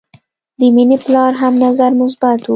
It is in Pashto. د مینې پلار هم نظر مثبت و